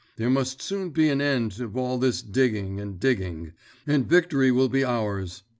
There must soon be an end of all this digging and digging, and victory will be ours.